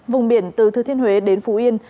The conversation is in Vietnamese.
vùng biển từ thư thiên huế đến phú yên